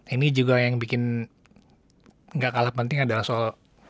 ini juga yang bikin gak kalah penting adalah soal